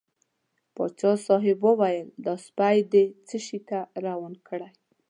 پاچا صاحب وویل دا سپی دې څه شي ته روان کړی.